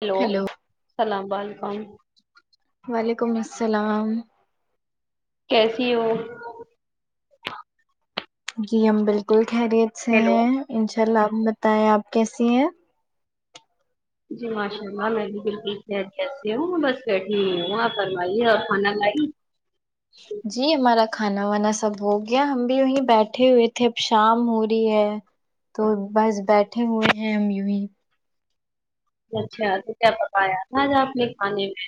hello سلام و علیکم وعلیکم السلام کیسی ہو جی ہم بالکل خیریت سے ہیلو ہیں انشاء اللہ آپ بتائیں آپ کیسی ہیں جی ماشاء اللہ میں بھی بالکل خیریت سے ہوں میں بس بیٹھی ہوں آپ فرمائیے آ پ کھانا لائی جی ہمارا کھانا وانا سب ہو گیا ہم بھی وہیں بیٹھے ہوئے تھے اب شام ہو رہی ہے تو بس بیٹھے ہوئے ہیں ہم یو ہی اچھا تو کیا پکایا تھا آج آپ نے کھانے میں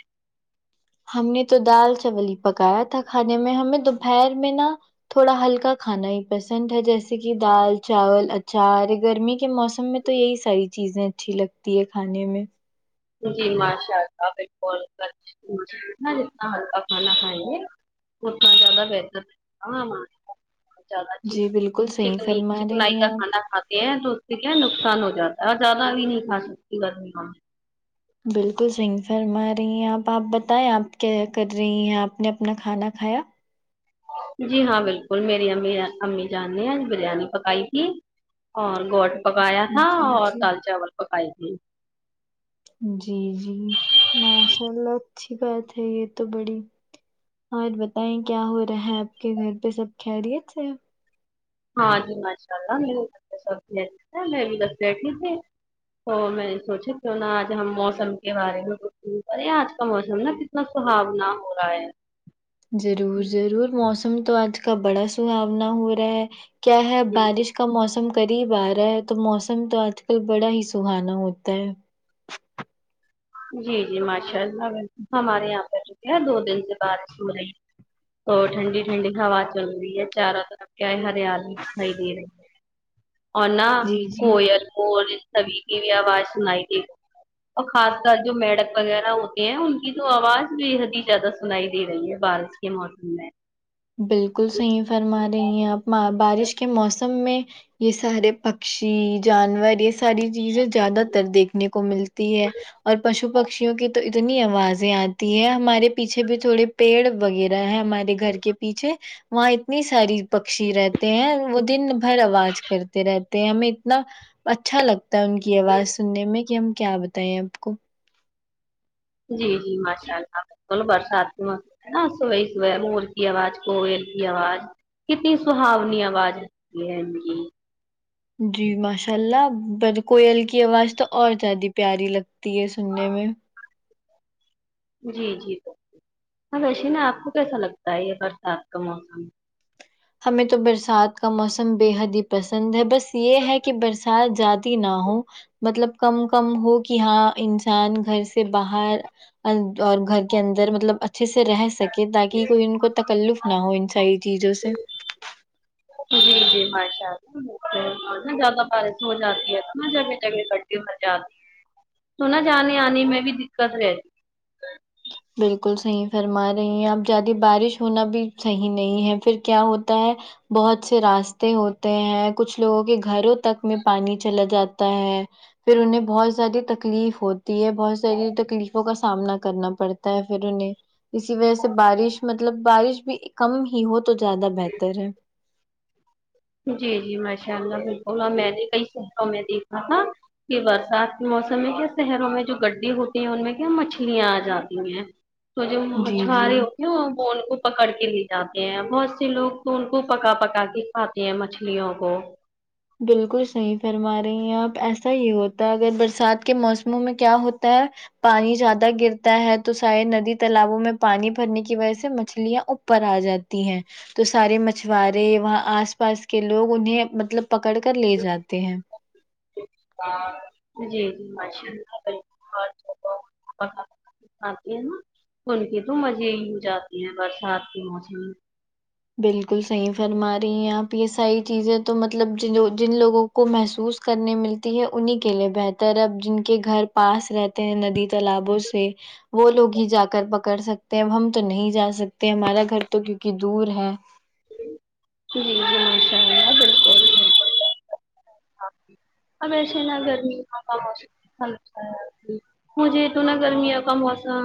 ہم نے تو دال چاول پکایا تھا کھانے میں ہمیں دوپہر میں نا تھوڑا ہلکا کھانا ہی پسند ہے جیسے کی دال چاول اچار گرمی کے موسم میں تو یہی ساری چیزیں اچھی لگتی ہے کھانے میں جی ماشاء اللہ بالکل جتنا ہلکا کھانا کھائیں گے اتنا زیادہ بہتر [unintelligible] جی [unintelligible] بالکل صحیح چکنی فرما چکنائی رہی کا ہیں آپ کھانا کھاتے ہیں تو ٹھیک ہے نقصان ہو جاتا ہے اور زیادہ بھی نہیں کھا سکتی گرمیوں میں بالکل صحیح فرما رہی ہیں آپ آپ بتائیں آپ کیا کر رہی ہیں آپ نے اپنا کھانا کھایا جی ہاں بالکل میری امی امی جان نے ہیں بریانی پکائی تھی اور گوڈ پکایا تھا جی اور جی دال چاول پکائی تھی جی جی ماشاء اللہ اچھی بات ہے یہ تو بڑی اور بتائیں کیا ہو رہا ہے آپ کے گھر پہ سب خیریت سے ہے ہاں جی ماشاء اللہ میرے گھر میں سب خیریت سے ہے میں بھی بس بیٹھی تھی تو میں نے سونچی کیوں نا آج ہم موسم کے بارے میں گفتگو کرے آج کا موسم نا اتنا سھانا ہو رہا ہے ضرور ضرور موسم تو آج کا بڑا سہانا ہو رہا ہے کیا ہے بارش کا موسم قریب آ رہا ہے تو موسم تو آج کل بڑا ہی سہانا ہوتا ہے جی جی ماشاء اللہ ہمارے یہاں پہ کیا دو دن سے بارش ہو رہی اور ٹھنڈی ٹھنڈی ہوا چل رہی ہے چاروں طرف کیا ہے ہریالی چھائی ہوئی ہے اور نہ جی جی کوئل مور سبی کی بھی آواز سنائی دیتی ہے اور خاص کر جو میڈک وغیرہ ہوتے ہیں ان کی تو آواز بے حد ہی زیادہ سنائی دے رہی ہے بارش کے موسم میں بالکل صحیح فرما رہی ہیں آپ بارش کے موسم میں یہ سارے پکشی جانور یہ ساری چیزیں زیادہ تر دیکھنے کو ملتی ہے اور پشو پکشیوں کی تو اتنی آوازیں آتی ہے ہمارے پیچھے بھی تھوڑے پیڑ وغیرہ ہیں ہمارے گھر کے پیچھے وہاں اتنی ساری پکشی رہتے ہیں وہ دن بھر آواز کرتے رہتے ہیں ہمیں اتنا اچھا لگتا ہے ان کی آواز سننے میں کہ ہم کیا بتائیں آپ کو جی جی ماشاء اللہ بالکل برسات کے موسم میں ہے نا صبح ہی صبح مور کی آواز کویل کی آواز کتنی سہانی آواز لگتی ہے انکی جی ماشااللہ پر کویل کی آواز تو اور زیادہ پیاری لگتی ہے سوننے میں جی جی ہاں ویش نا آپ کو کیسا لگتا ہے یہ برسات کا موسم ہمیں تو برسات کا موسم بے حد ہی پسند ہے بس یہ ہے کہ برسات زیادہ نہ ہو مطلب کم کم ہو کہ ہاں انسان گھر سے باہر اور گھر کے اندر مطلب اچھے سے رہ سکے تاکہ کوئی ان کو تکلف نہ ہو ان ساری چیزوں سے جی جی ماشاء اللہ نا زیادہ بارش ہو جاتی ہے نا جگہ جگہ لے جاتے ہے جانے آنے میں بھی دککت رہتی بالکل صحیح فرما رہی ہیں آپ زیادہ بارش ہونا بھی صحیح نہیں ہے پھر کیا ہوتا ہے بہت سے راستے ہوتے ہیں کچھ لوگوں کے گھروں تک میں پانی چلا جاتا تا ہے پھر انہیں بہت زیادہ تکلیف ہوتی ہے بہت ساری تکلیفوں کا سامنا کرنا پڑتا تا ہے پھر انہیں اسی وجہ سے بارش مطلب بارش بھی کم ہی ہو تو زیادہ بہتر ہے جی جی ماشاء اللہ بالکل اور میں نے کئی سبقوں میں دیکھا تھا یہ برسات کے موسم میں کیا شہروں میں جو گڈے ہوتی ہیں ان میں کیا مچھلیاں آ جاتی ہیں تو جو جی جی مچھوارے ہو وہ ان کو پکڑ کے لے جاتے ہیں بہت سے لوگ تو ان کو پکا پکا کے پاتے ہیں مچھلیوں کو بالکل صحیح فرما رہے ہیں آپ ایسا ہی ہوتا ہے اگر برسات کے موسموں میں کیا ہوتا ہے پنی زیادہ گرتا ہے تو سری ندی طالبو میں پانی بھر نی کی وجہ سے مچھلیا اپر اجاتی ہے تو سارے مچورے وہا آس پاس کے لوگ انھے مطلب پکڑ کر لے جاتے ہیں جی جی ماشاللہ بلکل ہاں آتی ہیں نا ان کے تو مزے ہی ہو جاتے ہیں برسات کے موسم میں بالکل صحیح فرما رہی ہیں آپ یہ ساری چیزیں تو مطلب ج جن لوگوں کو کو محسوس کرنے ملتی ہے انہیں کے لیے بہتر ہے اب جن کے گھر پاس رہتے ہیں ندی تالابوں سے وہ لوگ ہی جا کر پکڑ سکتے ہیں ا ہم تو نہیں جا سکتے ہمارا گھر تو کیونکہ دور ہے ہاں جی جی ماشاء اللہ بالکل بالکل اب ایسے نا گرمیاں بہ مجھے تو نا گرمیوں کا موسم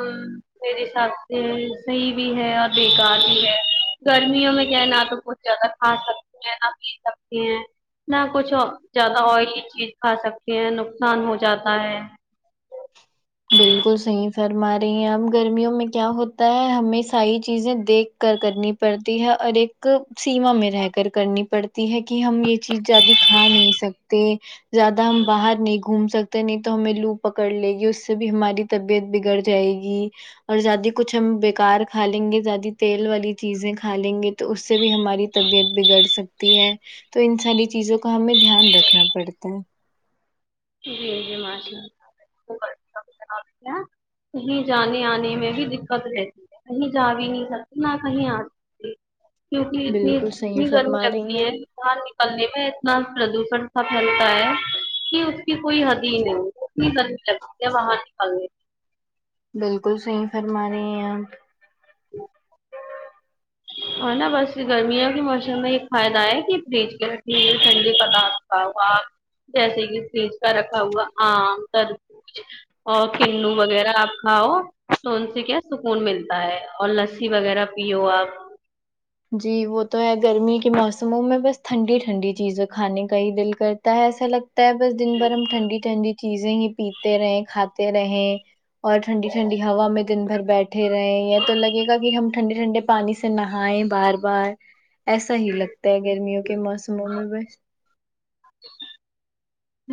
میرے حساب سے صحیح بھی ہے اور بےیکار بھی ہے گرمیوں میں کیا ہے نہ تو کچھ زیادہ کھا سکتے ہیں نہ پی سکتے ہیں نہ کچھ زیادہ آئلی چیز کھا سکتے ہیں نقصان ہو جاتا ہے بالکل صحیح فرما رہی ہیں اب گرمیوں میں کیا ہوتا ہے ہمیں ساری چیزیں دیکھ کرنی پڑتی ہے اور ایک سیما میں رہ کر کرنی پڑتی ہے کہ ہم یہ چیز زیادہ کھا نہیں سکتے زیادہ ہم باہر نہیں گھوم سکتے نہیں تو ہمیں لو پکڑ لے گی اس سے بھی ہماری طبیعت بگڑ جائے گی اور زیادہ کچھ ہم بےیکار کھا لیں گے زیادہ تیل والی چیزیں کھا لیں گے تو اس سے بھی ہماری طبیعت بگڑ سکتی ہے تو ان ساری چیزوں کا ہمیں دھیان رکھنا پڑتا ہے جی جی ماشاللہ بلکل کہیں جانے آنے میں بھی دقت رہتی ہے کہیں جا بھی نہیں سکتے نہ کہیں آ سکتے کیونکہ اتنی بالکل صحیح اتنی گرمی فرما رہی ہیں لگتی آپ ہے بہر نکلنے میں اتنا پردوشن س پھیلتا ہے کہ کی کوئی حد ہی نہیں ہو اتنی گرمی لگتی ہے باہر نکلنے بالکل صحیح فرما رہی ہے آپ جی ہ نا بس گرمیوں کے موسم میں یہ فائدہ ہے کہ فریج کے رکھیںے ٹھنڈے پدارھ را ہوا جیسے کہ فریج کا رکھا ہوا آم تربوز اور کنو وغیرہ آپ کھاؤ تو ان سے کیا سکون ملتا ہے اور لسی وغیرہ پیو آپ جی وہ تو ہے گرمی کے موسموں میں بس ٹھنڈی ٹھنڈی چیزیں کھانے کا ہی دل کرتا ہے ایسا لگتا ہوتا ہے بس دن بھر ہم ٹھنڈی ٹھنڈی چیزیں ہی پیتے رہے کھاتے رہے اور ٹھنڈی ٹھنڈی ہوا میں دن بھر بیٹھے رہے ہیں تو لگے گا کہ ہم ٹھنڈے ٹھنڈے پانی سے نہائے بار بار ایسا ہی لگتا ہے گرمیوں کے موسموں میں بس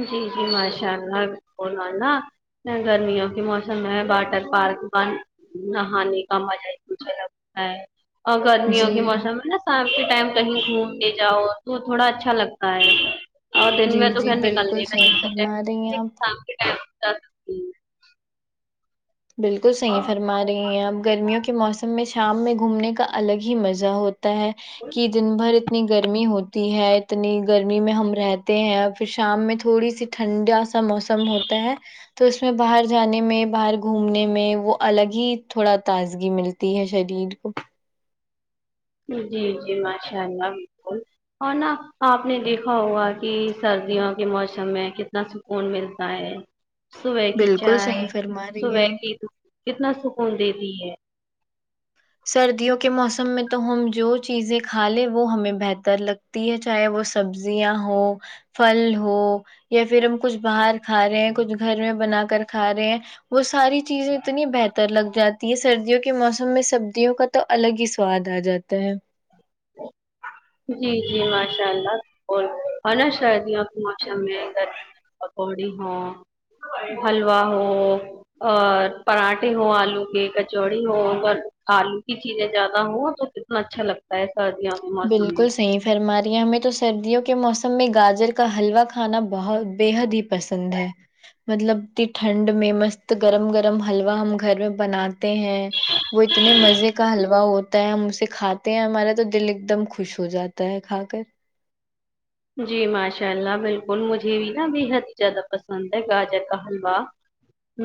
جی جی ماشاء اللہ بولا نا گرمیوں کے موسم میں واٹر پارک بن نہانے کا مزہ ہی کچھ لگتا ہے اور گرمیوں جی کے موسم میں نا شام کے ٹائم کہیں گھومنےجاؤ تو تھوڑا اچھا لگتا ہے اور دن جی میں جی توپھر نکل [unintelligible] بالکل صحیح فرما رہی ہیں آپ شام کے ٹائم پہ بالکل صحیح فرما رہی ہیں اپ گرمیوں کے موسم میں شام میں گھومنے کا الگ ہی مزہ ہو تا ہے کہ دن بھر اتنی گرمی ہوتی ہے اتنی گرمی میں ہم رہتے ہیں پھر شام میں تھوڑی سی ٹھنڈا سا موسم ہوتا ہے تو اس میں باہر جانے میں باہر گھومنے میں وہ الگ ہی تھوڑا تازگی ملتی ہے شریر کو جی جی ماشاء اللہ بالکل اور نا آپ نے دیکھا ہوگا کہ سردیوں کے موسم میں کتنا سکون ملتا ہے صبح کی بالکل چائے صحیح فرما رہی ہیں صبح آپ کی د کتنا سکون دیتی ہے سردیوں کے موسم میں تو ہم جو چیزیں کھا لیں وہ ہمیں بہتر لگ تی ہے چاہے وہ سبزیاں ہو پھل ہو یا پھر ہم کچھ باہر کھا رہے ہیں کچھ گھر میں بنا کر کھا رہے ہیں وہ ساری چیزیں اتنی بہتر لگ جاتی ہے سردیوں کے موسم میں سب سبزیوں کا تو الگ ہی سواد آ جاتا ہے ج جی جی ماشاء اللہ اور نہ سردیوں کے موسم میں گرم پکوڑی ہو حلوا ہو اور پراٹھے ہو آلو کے کچوڑی ہو اگر آلو کی چیزیں زیادہ ہوں تو اچھا لگتا ہے سردیوں کے موسم میں بالکل صحیح فرماریا ہمیں تو سردیوں کے موسم میں گاجر کا حلوا کھانا بہت بے حد ہی پسند ہے مطلب کہ ٹھنڈ میں مست گرم گرم حلوا ہم گھر میں بناتے ہیں وہ اتنے مزے کا حلوا ہوتا ہے ہم اسے کھاتے ہیں ہمارا تو دل ایک دم خوش ہو جاتا ہے کھا کر جی ماشاء اللہ بالکل مجھے بھی نا بےحد ہی زیادہ پسند ہے گاجر کا حلوا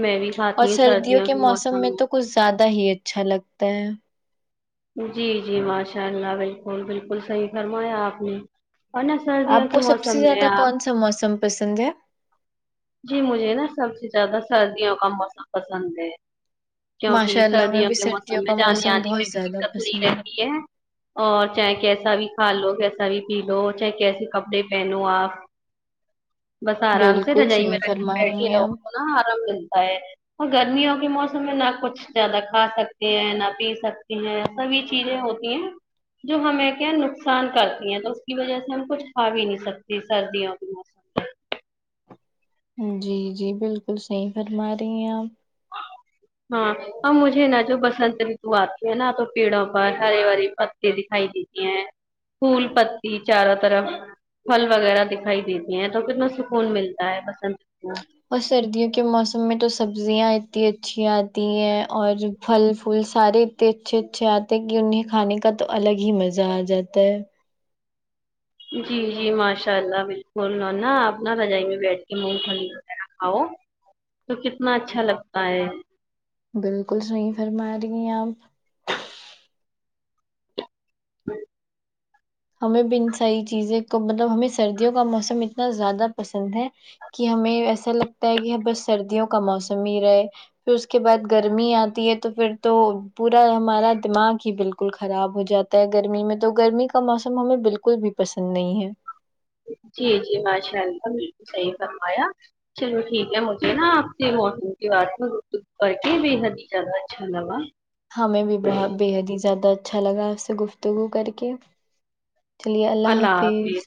میں بھی کھاتی ہوں سردیوں کے موسم میں کچھ زیادہ ہی اچھا لگتا ہے جی جی ماشاء اللہ بالکل بالکل صحیح فرمایا آپ نے اور نا سردیوں کے موسم میں آپ تو موسم پسند ہے جی مجھے نا سب سے زیادہ سردیوں کا موسم پسند ہے کیونکہ ماشاء اللہ ہمیں سردیوں بھی کے سردیوں موسم میں کا جانے موسم آنے بہت میں بھی زیادہ دککت نہیں پسند رہتی ہے اور چاہے کیسا بھی کھا لو کیسا بھی پی لو چاہے کیسے کپڑے پہنو آپ بس آرام سے بالکل رجائی میں صحیح رکھ فرما کے رہی بیٹھے ہیں رہو آپ کو آرام ملتا ہے اور گرمیوں کے موسم میں نہ کچھ زیادہ کھا سکتے ہیں نہ پی سکتے ہیں سب یہ چیزیں ہوتی ہیں جو ہمیں کیا نقصان کرتی ہیں تو اس کی وجہ سے ہم کچھ کہا بھی نہیں سکتے سردیوں کے موسم جی جی بالکل صحیح فرما رہی ہیں آپ ہاں اور نا مجھے نا جو برسات آتی ہے نا تو پیڑوں پر ہرے بھرے پتے دکھائی دیتے ہیں پھول پتی چاروں طرف پھل وغیرہ دکھائی دیتی ہیں تو کتنا سکون ملتا ہے قسم سے اور سردیوں کے موسم میں تو سبزیاں اتی اچھی آتی ہیں اور پھل فول سارے اتنے اچھے اچھے آتے ہیں کی انہیں کھانے کا تو الگ ہی مزہ آ جاتا ہے جی جی ماشاء اللہ بالکل نا آپ نا رجائی میں بیٹھ مونگ پھلی کھنا اؤ تو کتنا اچھا لگتا ہے بالکل صحیح فرما رہی ہیں آپ ہمیں بھی ان ساری چیزیں کو مطلب ہمیں سردیوں کا موسم اتنا زیادہ پسند ہے کہ ہمیں ایسا لگتا ہے کہ ہم بس سردیوں کا موسم ہی رہے پھر اس کے بعد گرمی آتی ہے تو پھر تو پورا ہمارا دماغ ہی بالکل خراب ہو جاتا ہے گرمی میں تو گرمی کا کا موسم ہمیں بالکل بھی پسند نہیں ہے جی جی ماشاء اللہ بالکل صحیح فرمایا چلو ٹھیک ہے مجھے نا آپ سے موسم کے بات میں پر گفتگو کر کے بے حد ہی زیادہ اچھا لگا ہمیں بھی بہت بےحد ہی زیادہ اچھا لگا آپ سے گفتگو کر کے چلیے اللہ حافظ